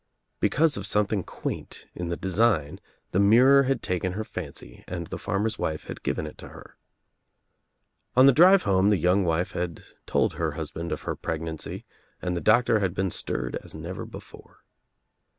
Because of something quaint In the design the mirror had taken her fancy and the farmer's wife had given it to her. On the drive home the young wife had told her husband of her pregnancy and the doctor had been stirred as never before.